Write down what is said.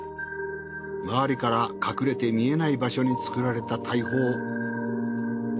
周りから隠れて見えない場所に作られた大砲。